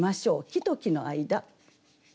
「木と木の間」。